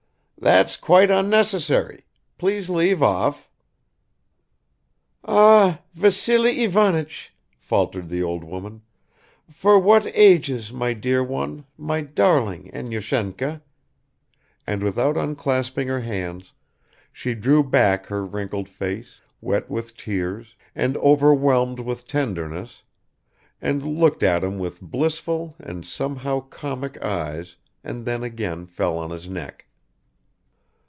"That's quite unnecessary! Please leave off." "Ah, Vassily Ivanich," faltered the old woman, "for what ages, my dear one, my darling, Enyushenka ...," and without unclasping her hands, she drew back her wrinkled face, wet with tears, and overwhelmed with tenderness, and looked at him with blissful and somehow comic eyes and then again fell on his neck.